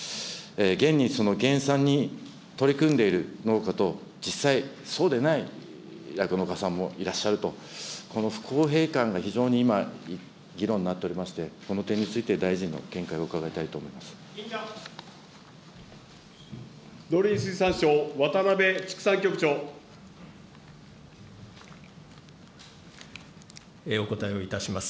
現にその減産に取り組んでいる農家と、実際そうでない酪農家さんもいらっしゃると、この不公平感が非常に今、議論になっておりまして、この点について、農林水産省、渡邉畜産局長。お答えをいたします。